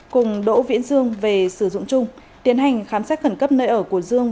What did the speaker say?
cùng đỗ viễn dương về sử dụng chung tiến hành khám xét khẩn cấp nơi ở của dương